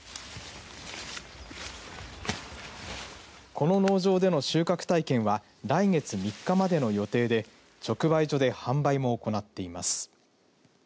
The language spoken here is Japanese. この農場での収穫体験は来月３日までの予定で直売所で販売も行っています。